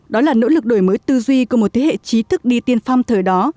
đó là nỗ lực đổi mới tư duy của một thế hệ trí thức đi tiên phong thời đó